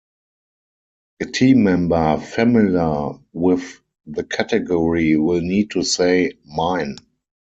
A team member familiar with the category will need to say Mine!